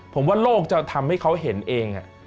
ผมว่าโลกจะทำให้เขาเห็นเอง